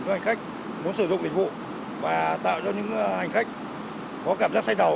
cho hành khách muốn sử dụng dịch vụ và tạo cho những hành khách có cảm giác say đầu